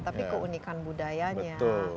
tapi keunikan budayanya